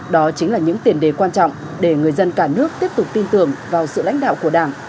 đó chính là những tiền đề quan trọng để người dân cả nước tiếp tục tin tưởng vào sự lãnh đạo của đảng